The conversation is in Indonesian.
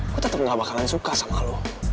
gue tetap gak bakalan suka sama lo